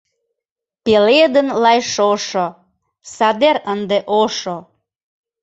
Пеледын лай шошо. Садер ынде ошо.